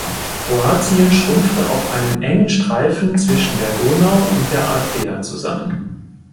Kroatien schrumpfte auf einen engen Streifen zwischen der Donau und der Adria zusammen.